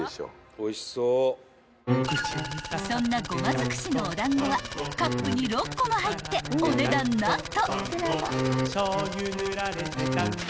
［そんな胡麻尽くしのお団子はカップに６個も入ってお値段何と］